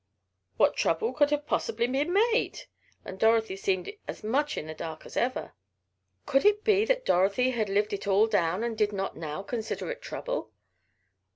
"What trouble could that have possibly made?" and Dorothy seemed as much in the dark as ever. Could it be that Dorothy had lived it all down and did not now consider it trouble?